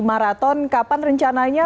maraton kapan rencananya